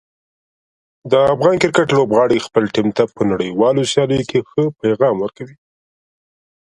د افغان کرکټ لوبغاړي خپل ټیم ته په نړیوالو سیالیو کې ښه پیغام ورکوي.